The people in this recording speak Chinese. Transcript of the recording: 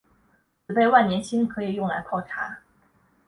紫背万年青可以用来泡茶。